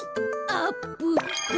あっぷっぷ。